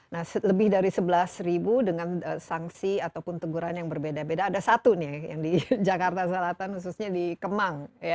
nah lebih dari sebelas dengan sanksi ataupun teguran yang berbeda beda ada satu nih yang di jakarta selatan khususnya di kemang